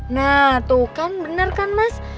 nah tuh kan bener kan mas